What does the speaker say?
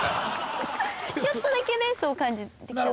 ちょっとだけねそう感じてきたなと思って。